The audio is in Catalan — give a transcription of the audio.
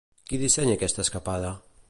Qui dissenya aquesta escapada?